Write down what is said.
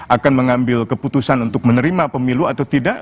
akan mengambil keputusan untuk menerima pemilu atau tidak